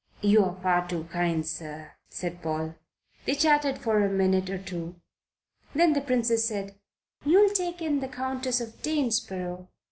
"You are far too kind, sir," said Paul. They chatted for a minute or two. Then the Princess said: "You'll take in the Countess of Danesborough.